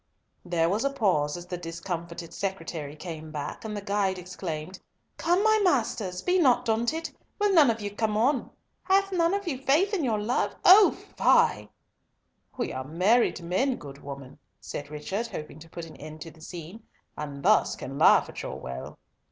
There was a pause, as the discomfited secretary came back, and the guide exclaimed, "Come, my masters, be not daunted! Will none of you come on? Hath none of you faith in your love? Oh, fie!" "We are married men, good women," said Richard, hoping to put an end to the scene, "and thus can laugh at your well."